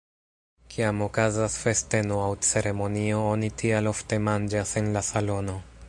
Kiam okazas festeno aŭ ceremonio, oni tial ofte manĝas en la salono.